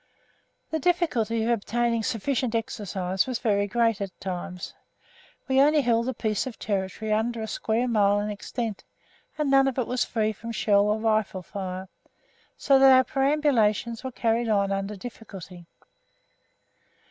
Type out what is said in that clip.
The difficulty of obtaining sufficient exercise was very great at times. We only held a piece of territory under a square mile in extent, and none of it was free from shell or rifle fire, so that our perambulations were carried on under difficulty.